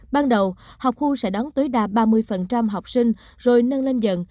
ban đầu học khu sẽ đón tối đa ba mươi học sinh rồi nâng lên dần